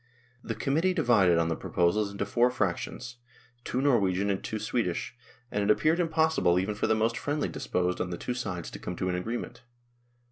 The Committee divided on the proposals into four fractions, two Norwegian and two Swedish, and it appeared impossible even for the most friendly disposed THE CONDUCT OF FOREIGN AFFAIRS 57 on the two sides to come to an agreement.